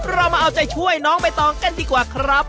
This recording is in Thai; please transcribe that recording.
เรามาเอาใจช่วยน้องใบตองกันดีกว่าครับ